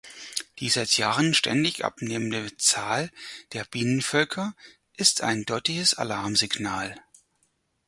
Die seit Jahren ständig abnehmende Zahl der Bienenvölker ist ein deutliches Alarmsignal.